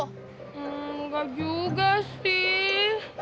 hmm enggak juga sih